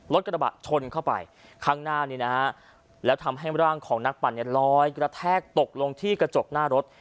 รถกระบะชนเข้าไปข้างหน้านี้นะฮะแล้วทำให้ร่างของนักปั่นเนี่ยลอยกระแทกตกลงที่กระจกหน้ารถ